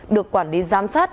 được quản lý giám sát